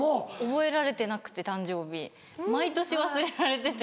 覚えられてなくて誕生日毎年忘れられてて。